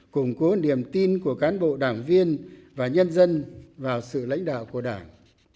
củng cố niềm tin của cán bộ đảng viên và nhân dân vào sự lãnh đạo của đảng